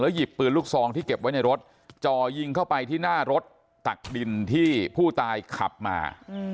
หยิบปืนลูกซองที่เก็บไว้ในรถจ่อยิงเข้าไปที่หน้ารถตักดินที่ผู้ตายขับมา